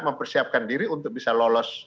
mempersiapkan diri untuk bisa lolos